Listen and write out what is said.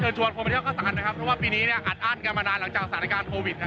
ชวนคนไปเที่ยวข้าวสารนะครับเพราะว่าปีนี้เนี่ยอัดอั้นกันมานานหลังจากสถานการณ์โควิด